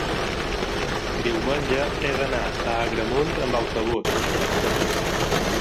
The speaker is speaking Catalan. diumenge he d'anar a Agramunt amb autobús.